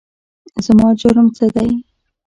زما جرم څه دی ؟؟